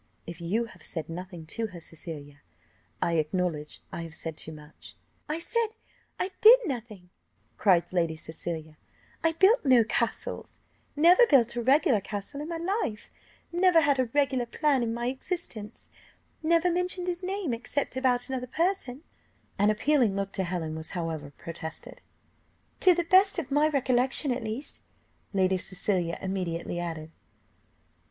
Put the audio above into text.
"If you have said nothing to her, Cecilia, I acknowledge I have said too much." "I said I did nothing," cried Lady Cecilia; "I built no castles never built a regular castle in my life; never had a regular plan in my existence; never mentioned his name, except about another person " An appealing look to Helen was however protested. "To the best of my recollection, at least," Lady Cecilia immediately added.